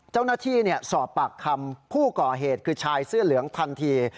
เจ้าหน้าที่สอบปากคำผู้ก่อเหตุคือชายเสื้อเหลืองทันที